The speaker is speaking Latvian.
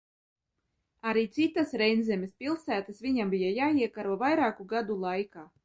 Arī citas Reinzemes pilsētas viņam bija jāiekaro vairāku gadu laikā.